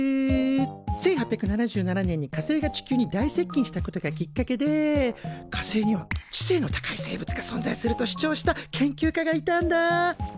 １８７７年に火星が地球に大接近したことがきっかけで火星には知性の高い生物が存在すると主張した研究家がいたんだ。